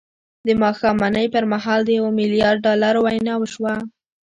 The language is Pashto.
د ماښامنۍ پر مهال د یوه میلیارد ډالرو وینا وشوه